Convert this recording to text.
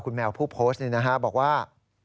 คุณแมวผู้โพสต์บอกว่า